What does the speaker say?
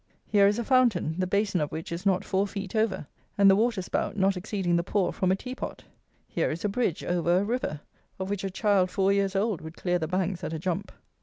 Here is a fountain, the basin of which is not four feet over, and the water spout not exceeding the pour from a tea pot. Here is a bridge over a river of which a child four years old would clear the banks at a jump.